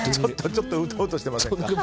ちょっとうとうとしてませんか。